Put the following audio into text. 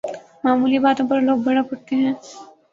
معمولی باتوں پر لوگ بھڑک اٹھتے ہیں۔